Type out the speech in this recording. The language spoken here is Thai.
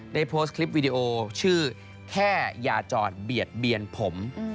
ได้โพสต์คลิปวิดีโอชื่อแค่ยาจอดเบียดเบียนผม